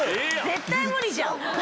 絶対無理じゃん。